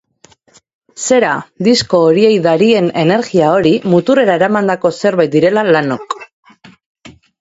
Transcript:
Zera, disko horiei darien energia hori, muturrera eramandako zerbait direla lanok.